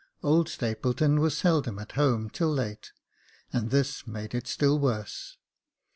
Old Stapleton was seldom at home till late, and this made it still worse.